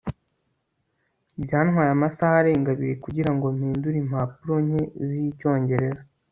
byantwaye amasaha arenga abiri kugirango mpindure impapuro nke z'icyongereza